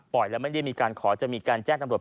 แล้วไม่ได้มีการขอจะมีการแจ้งตำรวจ